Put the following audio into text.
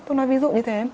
tôi nói ví dụ như thế